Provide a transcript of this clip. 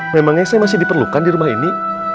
memangnya saya masih diperlukan di rumah ini